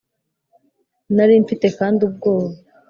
Nari mfite kandi ubwoba